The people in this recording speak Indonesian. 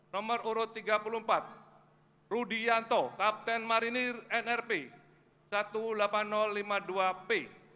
nomor urut tiga puluh empat rudi yanto kapten marinir nrp delapan belas ribu lima puluh dua p